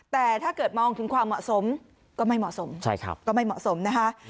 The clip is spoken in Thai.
แต่ถ้าเกิดมองถึงความเหมาะสมก็ไม่เหมาะสมก็ไม่เหมาะสมนะคะ